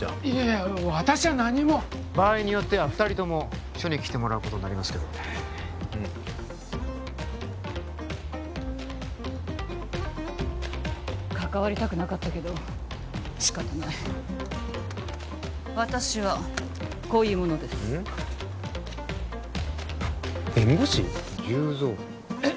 いやいや私は何も場合によっては二人とも署に来てもらうことになりますけど関わりたくなかったけど仕方ない私はこういう者ですうん？